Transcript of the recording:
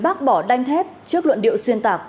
bác bỏ đanh thép trước luận điệu xuyên tạc